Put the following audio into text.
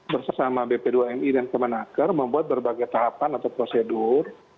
bersama bp dua mi dan kemenaker membuat berbagai tahapan atau prosedur